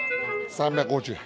「３５０円」